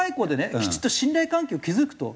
きちっと信頼関係を築くと。